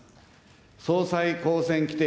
総裁公選規程